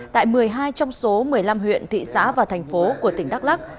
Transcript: tại một mươi hai trong số một mươi năm huyện thị xã và thành phố của tỉnh đắk lắc